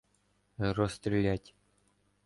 — Розстрілять!